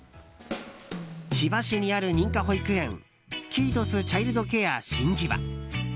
千葉市にある認可保育園キートスチャイルドケア新千葉。